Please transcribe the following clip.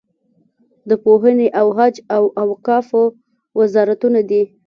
د پوهنې او حج او اوقافو وزارتونه دي.